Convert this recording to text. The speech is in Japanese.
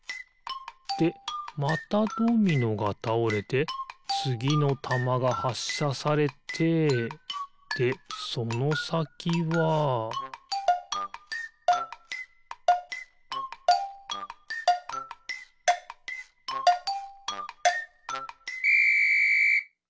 でまたドミノがたおれてつぎのたまがはっしゃされてでそのさきはピッ！